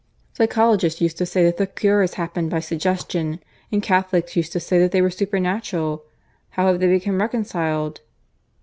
Psychologists used to say that the cures happened by suggestion; and Catholics used to say that they were supernatural. How have they become reconciled?"